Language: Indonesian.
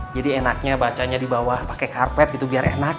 jadi enaknya bacanya dibawah pake karpet gitu biar enak